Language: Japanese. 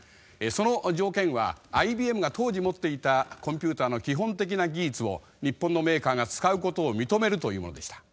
その条件はＩＢＭが当時持っていたコンピューターの基本的な技術を日本のメーカーが使うことを認めるというものでした。